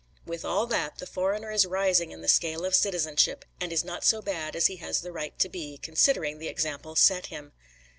With all that, the foreigner is rising in the scale of citizenship and is not so bad as he has the right to be, considering the example set him.